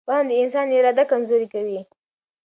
وهم د انسان اراده کمزورې کوي.